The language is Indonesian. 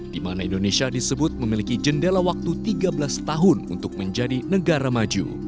di mana indonesia disebut memiliki jendela waktu tiga belas tahun untuk menjadi negara maju